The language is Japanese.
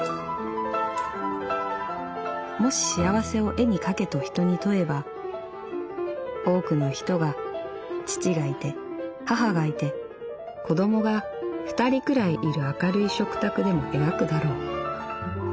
「もし幸せを絵に描けと人に問えば多くの人が父がいて母がいて子供が２人くらいいる明るい食卓でも描くだろう。